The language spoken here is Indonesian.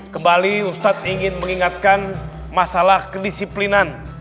kembali ustadz ingin mengingatkan masalah kedisiplinan